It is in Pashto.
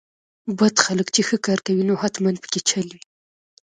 بد خلک چې ښه کار کوي نو حتماً پکې چل وي.